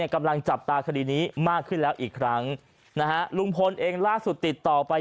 กำลังจับตาคดีนี้มากขึ้นแล้วอีกครั้งนะฮะลุงพลเองล่าสุดติดต่อไป